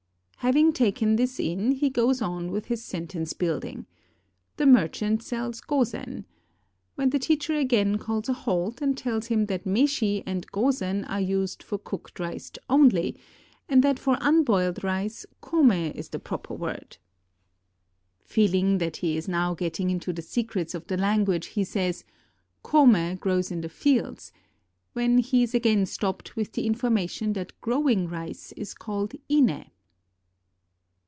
Having taken this in, he goes on with his sentence build ing: "The merchant sells gozen" when the teacher again calls a halt, and tells him that meshi and gozen are used for cooked rice only, and that for unboiled rice kome is the proper word. Feeling that he is now getting into the secrets of the language, he says, "iCowe grows in the fields," when he is again stopped with the information that growing rice is called ine!